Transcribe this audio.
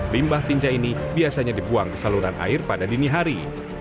limbah tinja ini biasanya dibuang ke saluran air pada dini hari